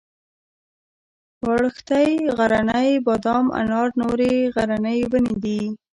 وړښتی غرنی بادام انار نورې غرنۍ ونې دي.